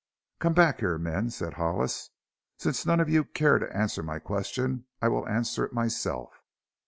"Come back here, men," said Hollis. "Since none of you care to answer my question I will answer it myself."